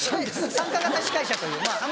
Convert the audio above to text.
参加型司会者というまぁ。